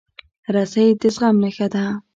رسۍ د زغم نښه ده.